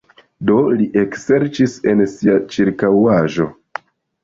Do li ekserĉis en sia ĉirkaŭaĵo.